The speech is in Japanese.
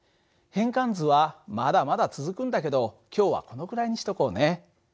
変換図はまだまだ続くんだけど今日はこのくらいにしとこうね。